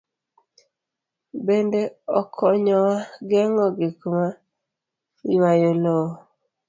Bende okonyowa geng'o gik ma ywayo lowo.